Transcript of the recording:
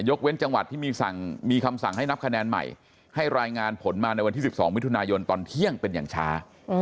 เว้นจังหวัดที่มีคำสั่งให้นับคะแนนใหม่ให้รายงานผลมาในวันที่๑๒มิถุนายนตอนเที่ยงเป็นอย่างช้า